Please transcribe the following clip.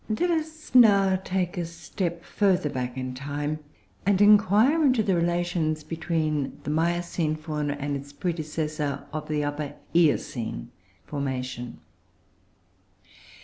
Let us now take a step further back in time, and inquire into the relations between the Miocene Fauna and its predecessor of the Upper Eocene formation.